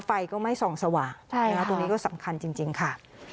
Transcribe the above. ไฟก็ไม่ส่องสว่างตรงนี้ก็สำคัญจริงค่ะ